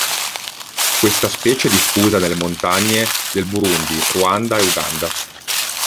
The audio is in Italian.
Questa specie è diffusa nelle montagne del Burundi, Ruanda e Uganda.